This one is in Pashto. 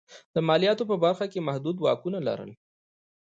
د مالیاتو په برخه کې یې محدود واکونه لرل.